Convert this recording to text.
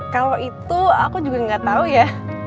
kalau itu aku juga nggak tahu ya